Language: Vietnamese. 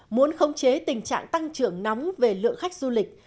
muốn khống chế tình trạng tăng trưởng nóng về lượng khách du lịch